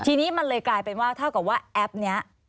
ทีนี้มันเลยกลายเป็นว่าเท่ากับว่าแอปนี้